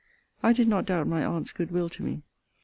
I did not doubt my aunt's good will to me.